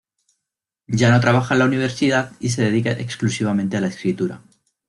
Ya no trabaja en la universidad y se dedica exclusivamente a la escritura.